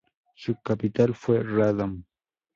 Su capital fue Radom.